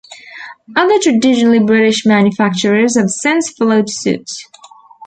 Other traditionally British manufacturers have since followed suit.